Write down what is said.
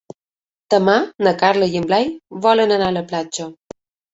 Demà na Carla i en Blai volen anar a la platja.